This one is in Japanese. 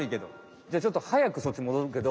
じゃちょっと速くそっちもどるけど。